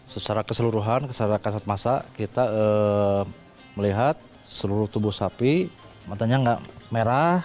secara keseluruhan secara kasat masa kita melihat seluruh tubuh sapi matanya gak merah